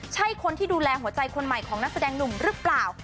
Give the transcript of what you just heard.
ใช่คนที่ดูแลหัวใจคนใหม่ของนักแสดงหนุ่มหรือเปล่า